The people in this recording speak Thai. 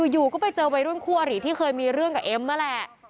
อยู่ก็ไปเจอวัยรุ่นคู่อริที่เคยมีเรื่องกับเอ็มนั่นแหละ